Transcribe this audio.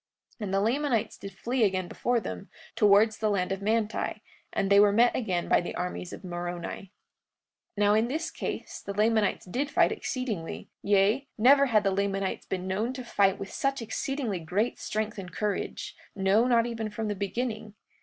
43:42 And the Lamanites did flee again before them, towards the land of Manti; and they were met again by the armies of Moroni. 43:43 Now in this case the Lamanites did fight exceedingly; yea, never had the Lamanites been known to fight with such exceedingly great strength and courage, no, not even from the beginning.